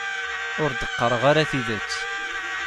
Ur d-qqareɣ ara tidet.